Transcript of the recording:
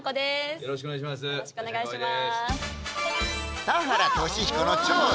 よろしくお願いします